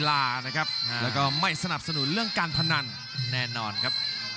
และที่สำคัญครับต้องบอกว่าตอนนี้เนี่ยเราถ่ายทอดไปสู่ระดับโลกครับ